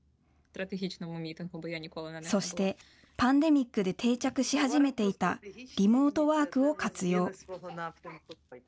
そして、パンデミックで定着し始めていたリモートワークを活用。